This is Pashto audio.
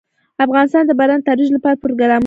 افغانستان د باران د ترویج لپاره پروګرامونه لري.